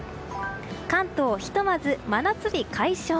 関東ひとまず真夏日解消。